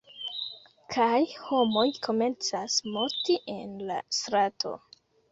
kaj homoj komencas morti en la strato.